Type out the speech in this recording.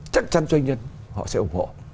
chắc chắn doanh nhân họ sẽ ủng hộ